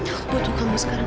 aku butuh kamu sekarang